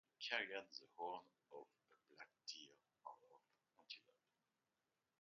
He carried the horn of a black deer or antelope.